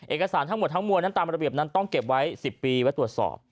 เอกสารทั้งหมดทั้งมวลนั้นตามระเบียบนั้นต้องเก็บไว้๑๐ปีไว้ตรวจสอบ